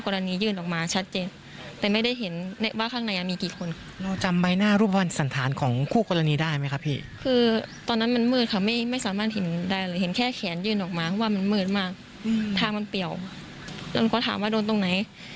รถเดียวค่ะเสียหลักลงไปข้ามคลองไปอีกฝั่งหนึ่งเลยค่ะ